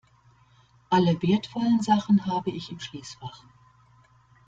Alle wertvollen Sachen habe ich im Schließfach.